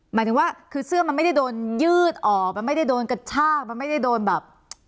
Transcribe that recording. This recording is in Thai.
หมายถึงว่าคือเสื้อมันไม่ได้โดนยืดออกมันไม่ได้โดนกระชากมันไม่ได้โดนแบบ